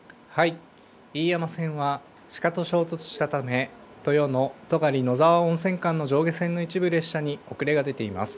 飯山線はシカと衝突したため、豊野・戸狩野沢温泉間の上下線の一部列車に遅れが出ています。